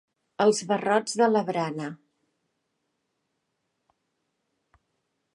Els barrots de la barana.